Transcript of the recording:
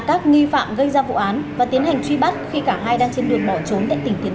các nghi phạm gây ra vụ án và tiến hành truy bắt khi cả hai đang trên đường bỏ trốn tại tỉnh tiền